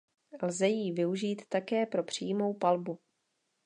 Lze jí využít také pro přímou palbu.